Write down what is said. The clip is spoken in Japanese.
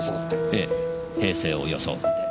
ええ平静を装って。